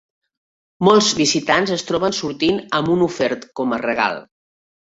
Molts visitants es troben sortint amb un ofert com a regal.